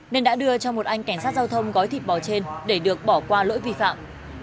nên đã đưa cho một anh cảnh sát giao thông gói thịt bò trên để được bỏ qua lỗi vi phạm